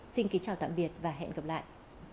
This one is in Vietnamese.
xin kính chào tạm biệt và hẹn gặp lại